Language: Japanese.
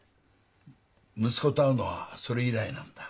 息子と会うのはそれ以来なんだ。